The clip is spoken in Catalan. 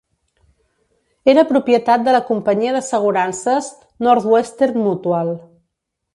Era propietat de la companyia d'assegurances Northwestern Mutual.